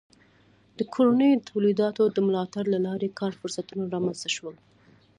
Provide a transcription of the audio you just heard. د کورنیو تولیداتو د ملاتړ له لارې کار فرصتونه رامنځته شول.